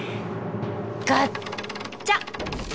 ガッチャ。